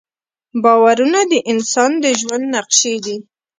باورونه د انسان د ژوند نقشې دي.